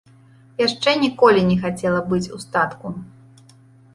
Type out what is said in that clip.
Яшчэ ніколі не хацела быць у статку.